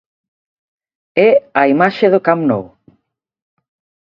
É a imaxe do Camp Nou.